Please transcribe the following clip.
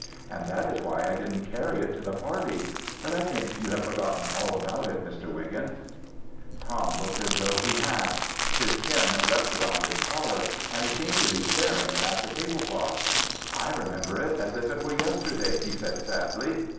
And that is why I didn't carry it to the party. But I think you have forgotten all about it, Mr. Wiggin." Tom looked as though he had. His chin rested on his collar, and he seemed to be staring at the table cloth. " I remember it as if it were yesterday," he said, sadly.